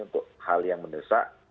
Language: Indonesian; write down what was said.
untuk hal yang mendesak